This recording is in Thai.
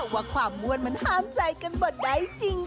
ว่าความม่วนมันห้ามใจกันบดได้จริง